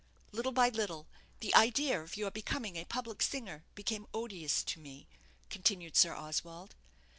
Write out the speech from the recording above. Little by little, the idea of your becoming a public singer became odious to me," continued Sir Oswald.